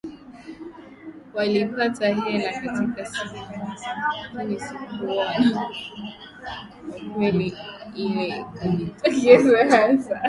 walipata hela lakini sikuona kwa kweli ile kujitokeza hasa